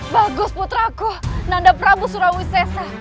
bagus putraku nanda prabu surawi sesa